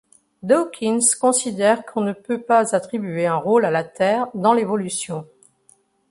Dawkins considère qu'on ne peut pas attribuer un rôle à la Terre dans l'évolution.